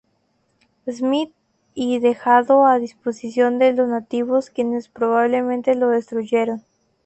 Smith y dejado a disposición de los nativos quienes probablemente lo destruyeron.